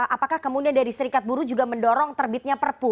apakah kemudian dari serikat buruh juga mendorong terbitnya perpu